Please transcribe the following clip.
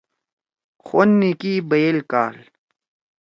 خون نی کی بئیل کال